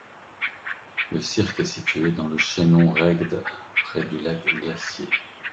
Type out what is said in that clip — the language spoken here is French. Le cirque est situé dans le chaînon Ragged, près du lac Glacier.